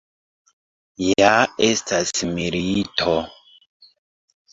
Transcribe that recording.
Ja estas milito!